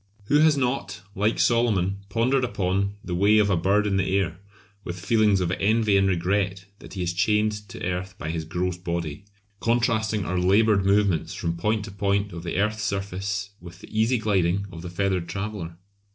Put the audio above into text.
Who has not, like Solomon, pondered upon "the way of a bird in the air" with feelings of envy and regret that he is chained to earth by his gross body; contrasting our laboured movements from point to point of the earth's surface with the easy gliding of the feathered traveller?